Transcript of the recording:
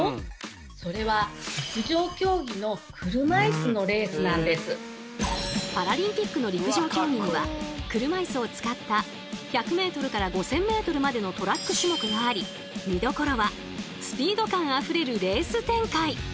カネオくんパラリンピックの陸上競技には車いすを使った１００ｍから５０００ｍまでのトラック種目があり見どころはスピード感あふれるレース展開！